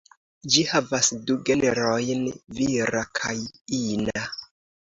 Ĝi havas du genrojn: vira kaj ina.